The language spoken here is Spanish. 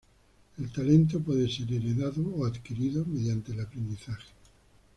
El talento puede ser heredado o adquirido mediante el aprendizaje.